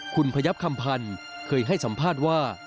คุณพยับคำพันธ์เคยให้สัมภาษณ์ว่า